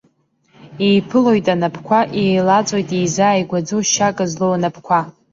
Еиԥылоит анапқәа, еилаҵәоит, еизааигәаӡоу, шьак злоу анапқәа.